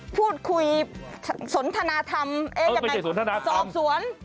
พูดคุยสนทนาธรรมเอ๊ะยังไงสอบสวน